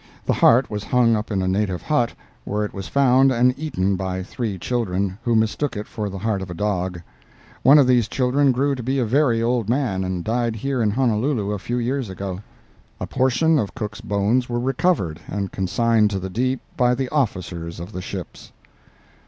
The heart was hung up in a native hut, where it was found and eaten by three children, who mistook it for the heart of a dog. One of these children grew to be a very old man, and died here in Honolulu a few years ago. A portion of Cook's bones were recovered and consigned to the deep by the officers of the ships.